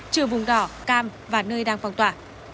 trừ vùng đỏ cam và nơi đang phong tỏa